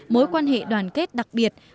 mối quan hệ đoàn kết đặc biệt